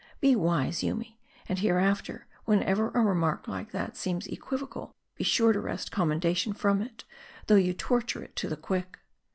Be wise, Yoomy ; and hereafter, when ever a remark like that seems equivocal, be sure to wrest commendation from it, though you torture it to the quick."